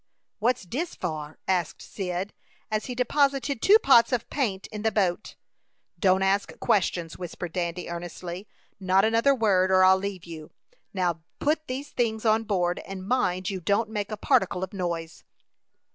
"What's dis for?" asked Cyd, as he deposited two pots of paint in the boat. "Don't ask questions," whispered Dandy, earnestly. "Not another word, or I'll leave you. Now, put these things on board, and mind you don't make a particle of noise."